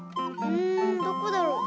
うんどこだろう？